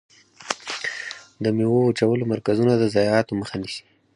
د ميوو وچولو مرکزونه د ضایعاتو مخه نیسي.